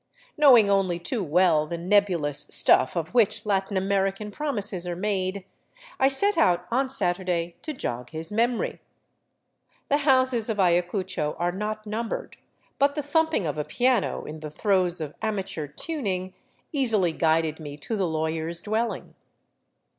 Knowing only too well the nebulous stufif of which Latin American promises are made, I set out on Saturday to jog his memory. The houses of Ayacucho are not numbered, but the thumping of a piano in the throes of amateur tuning easily guided me to the lawyer's dwelling.